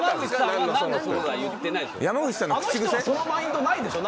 あの人はそのマインドないでしょ？